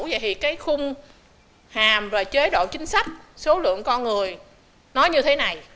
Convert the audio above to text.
thì khung hàm và chế độ chính sách số lượng con người nó như thế này